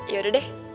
ya udah deh